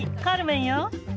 カルメンよ。